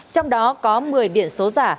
trong đó có một mươi biển số giả